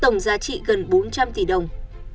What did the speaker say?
tổng giá trị gần bốn trăm linh tỷ đồng